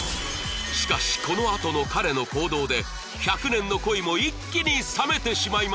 しかしこのあとの彼の行動で１００年の恋も一気に冷めてしまいます